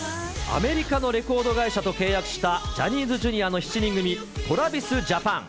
アメリカのレコード会社と契約したジャニーズＪｒ．の７人組、トラビスジャパン。